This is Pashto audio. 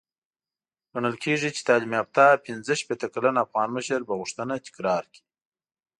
ګڼل کېږي چې تعليم يافته پنځه شپېته کلن افغان مشر به غوښتنه تکرار کړي.